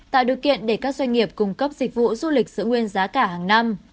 tạo điều kiện để các doanh nghiệp cung cấp dịch vụ du lịch giữ nguyên giá cả hàng năm